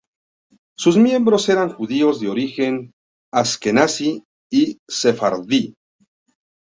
Sus miembros eran judíos de origen askenazí y sefardí.